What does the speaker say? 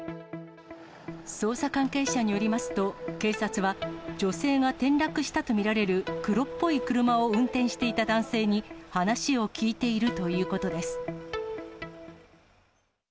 捜査関係者によりますと、警察は女性が転落したと見られる黒っぽい車を運転していた男性に、話を聴いているということです。